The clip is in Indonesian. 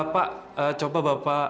pak coba bapak